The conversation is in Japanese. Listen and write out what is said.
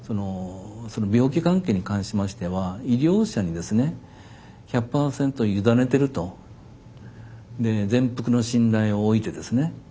その病気関係に関しましては医療者にですね１００％委ねてると全幅の信頼をおいてですね。